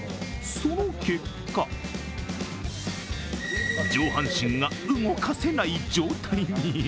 その結果上半身が動かせない状態に。